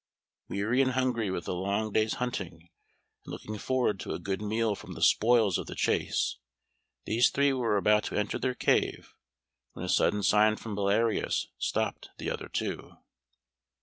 Weary and hungry with a long day's hunting, and looking forward to a good meal from the spoils of the chase, these three were about to enter their cave, when a sudden sign from Belarius stopped the other two.